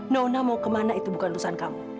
nona mau kemana itu bukan urusan kamu